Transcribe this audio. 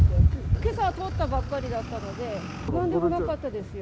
けさ、通ったばっかりだったので、なんでもなかったですよ。